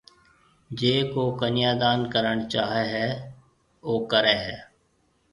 جيَ ڪو ڪنيا دان ڪرڻ چاھيََََ ھيََََ او ڪرَي ھيََََ